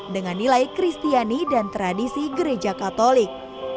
dengan nilai kristiani dan tradisi gereja katolik